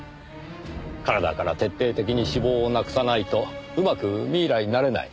体から徹底的に脂肪をなくさないとうまくミイラになれない。